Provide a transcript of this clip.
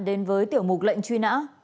đến với tiểu mục lệnh truy nã